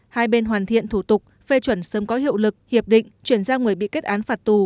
hai bên hoàn thiện thủ tục phê chuẩn sớm có hiệu lực hiệp định chuyển ra người bị kết án phạt tù